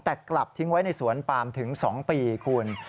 แต่กลับทิ้งไว้ในสวนปามถึง๒ปีคุณ